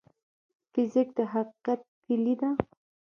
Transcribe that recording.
فزیک د حقیقت کلي ده.